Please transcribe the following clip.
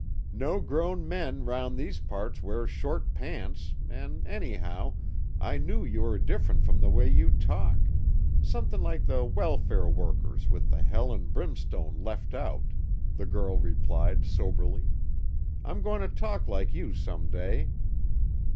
"No grown men 'round these parts wears short pants, an', anyhow, I knew you were different from the way you talk; somethin' like the welfare workers, with the hell an' brimstone left out," the girl replied soberly. "I'm goin' to talk like you some day."